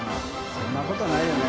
そんなことないよね。